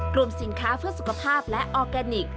กรมสินค้าเพื่อสุขภาพและออร์แกนิค